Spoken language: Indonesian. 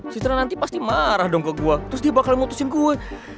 citra nanti pasti marah dong ke gue terus dia bakal ngutusin gue